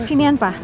kesini ya pak